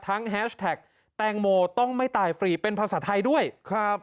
แฮชแท็กแตงโมต้องไม่ตายฟรีเป็นภาษาไทยด้วยครับ